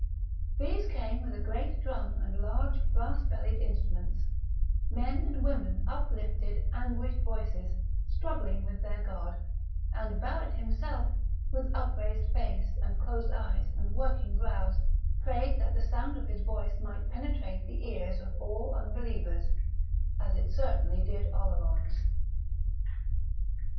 These came with a great drum and large brass bellied instruments; men and women uplifted anguished voices, struggling with their God; and Barrett himself, with upraised face and closed eyes and working brows, prayed that the sound of his voice might penetrate the ears of all unbelievers as it certainly did Oleron's.